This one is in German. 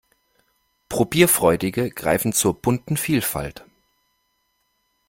Probierfreudige greifen zur bunten Vielfalt.